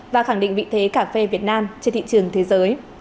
và khẳng định vị thế cà phê việt nam trên thị trường thế giới